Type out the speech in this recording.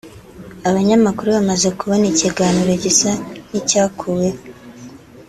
Abanyamakuru bamaze kubona ikiganiro gisa n’icyakuweho